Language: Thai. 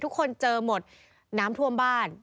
ทุกคนเจอหมดน้ำท่วมบ้าน